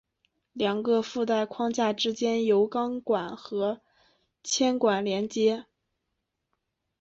两个履带框架之间由钢管和铅管连接。